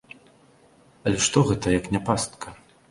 Але што гэта, як не пастка?